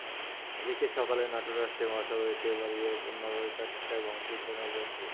এদিকে সকালে নাটোর-রাজশাহী মহাসড়কের তেবাড়িয়ায় পণ্যবাহী চারটি ট্রাক ভাঙচুর করেন অবরোধকারীরা।